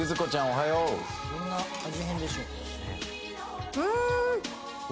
おはようどんな味変でしょう？